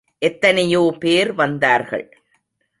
எத்தனையோ பேர் வந்தார்கள்.